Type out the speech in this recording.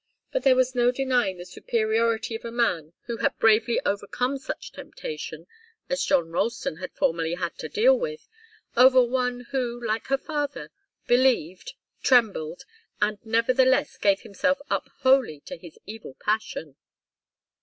But there was no denying the superiority of a man who had bravely overcome such temptation as John Ralston had formerly had to deal with, over one who, like her father, believed, trembled, and nevertheless gave himself up wholly to his evil passion.